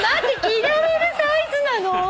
着られるサイズなの！？